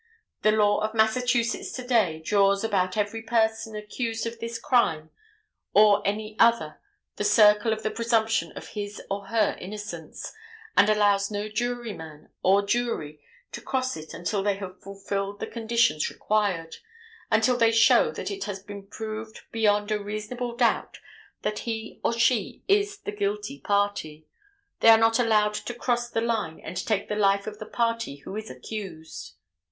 The law of Massachusetts to day draws about every person accused of this crime or any other the circle of the presumption of his or her innocence, and allows no juryman or jury to cross it until they have fulfilled the conditions required: until they show that it has been proved beyond a reasonable doubt that he or she is the guilty party, they are not allowed to cross the line and take the life of the party who is accused.